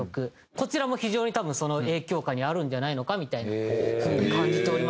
こちらも非常に多分その影響下にあるんじゃないのかみたいな風に感じておりまして。